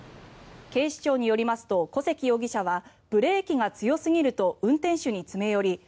警視庁によりますと古関容疑者はブレーキが強すぎると運転手に詰め寄り